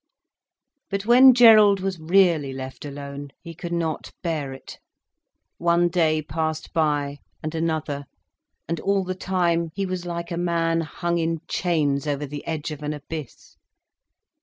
But when Gerald was really left alone, he could not bear it. One day passed by, and another. And all the time he was like a man hung in chains over the edge of an abyss.